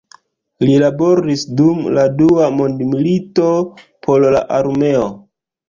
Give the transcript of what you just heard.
Li laboris dum la dua mondmilito por la armeo.